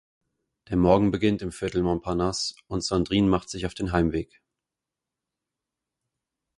Der Morgen beginnt im Viertel Montparnasse und Sandrine macht sich auf den Heimweg.